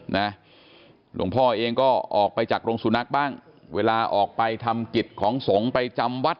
หลวงพ่อเองก็ออกไปจากโรงสุนัขบ้างเวลาออกไปทำกิจของสงฆ์ไปจำวัด